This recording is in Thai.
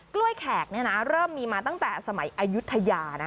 ้วยแขกเริ่มมีมาตั้งแต่สมัยอายุทยานะ